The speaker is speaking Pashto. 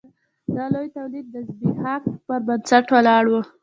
دا لوی تولید د ځبېښاک پر بنسټ ولاړ و.